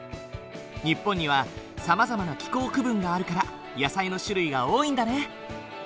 日本にはさまざまな気候区分があるから野菜の種類が多いんだね。